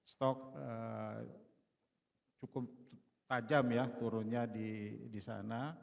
stock cukup tajam ya turunnya disana